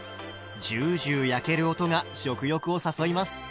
ジュージュー焼ける音が食欲を誘います。